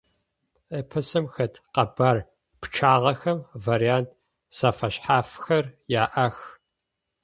Эпосым хэт къэбар пчъагъэхэм вариант зэфэшъхьафхэр яӏэх.